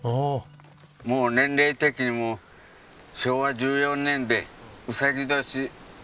もう年齢的にも昭和１４年でうさぎ年で。